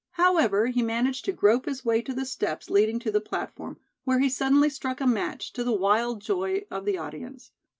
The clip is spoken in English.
However, he managed to grope his way to the steps leading to the platform, where he suddenly struck a match, to the wild joy of the audience.